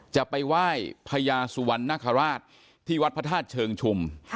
จะไปไหว้พญาสุวรรณนคราชที่วัดพระธาตุเชิงชุม